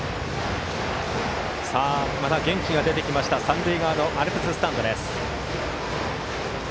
また元気が出てきた三塁側のアルプススタンドです。